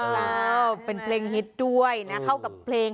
แล้วเป็นเพลงฮิตด้วยนะเข้ากับเพลง